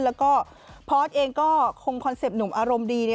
แล้วก็พอร์ตเองก็คงคอนเซ็ปต์หนุ่มอารมณ์ดี